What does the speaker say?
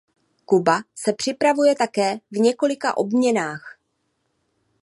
Kuba se připravuje také v několika obměnách.